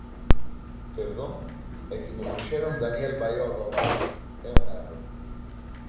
¿Perdón? É que me puxeron Daniel Baiolo Abade, é un erro.